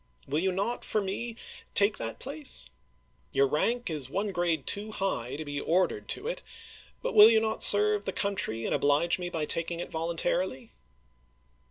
Will you not, for me, take that t , i 4^ place ? Your rank is one grade too high to be ordered to Hunter, it; but will you not serve the country and obHge me by ^^ms. taking it voluntarily